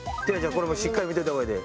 これもうしっかり見といた方がええで。